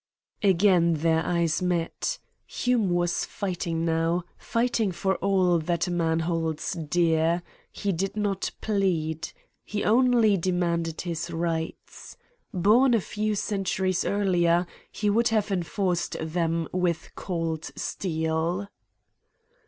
Again their eyes met. Hume was fighting now, fighting for all that a man holds dear. He did not plead. He only demanded his rights. Born a few centuries earlier, he would have enforced them with cold steel.